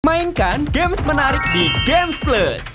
mainkan games menarik di gamesplus